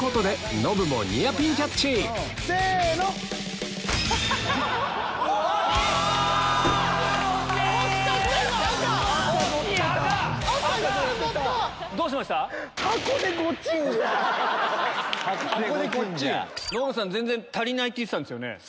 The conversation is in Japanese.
ノブさん全然足りないって言ってたんですよね。